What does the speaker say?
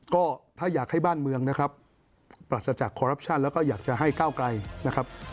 ก็ถ้าอยากให้บ้านเมืองนะครับปราศจากคอรัปชั่นแล้วก็อยากจะให้ก้าวไกลนะครับ